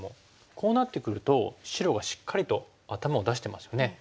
こうなってくると白がしっかりと頭を出してますよね。